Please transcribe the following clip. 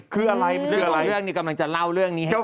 กลับมาเรื่องนี้ก็จะเล่าเรื่องนี้ให้ฟาก